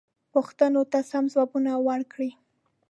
پوښتنو ته سم ځوابونه ورکړئ.